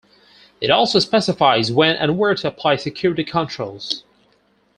It also specifies when and where to apply security controls.